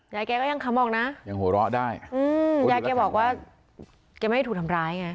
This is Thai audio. ยายแกก็ยังขำออกนะยังหัวเราะได้อืมยายแกบอกว่าแกไม่ได้ถูกทำร้ายไง